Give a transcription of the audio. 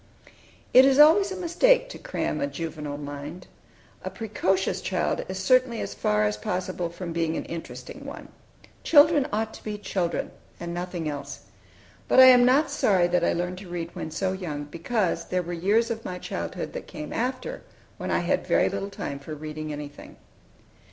It is always a mistake to cram a juvenile mind. A precocious child is certainly as far as possible from being an interesting one. Children ought to be children, and nothing else. But I am not sorry that I learned to read when so young, because there were years of my childhood that came after, when I had very little time for reading anything.